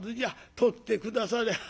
取って下され」。